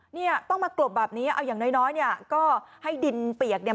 เนี่ยต้องมากรบแบบนี้เอาอย่างน้อยน้อยเนี่ยก็ให้ดินเปียกเนี่ย